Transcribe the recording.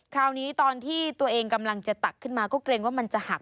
คราวนี้ตอนที่ตัวเองกำลังจะตักขึ้นมาก็เกรงว่ามันจะหัก